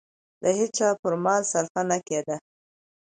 د هېچا پر مال صرفه نه کېده.